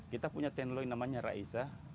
kita punya teknologi namanya raisa